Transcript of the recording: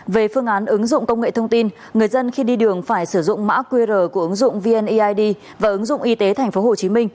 về phương án ứng dụng công nghệ thông tin người dân khi đi đường phải sử dụng mã qr của ứng dụng vneid và ứng dụng y tế tp hcm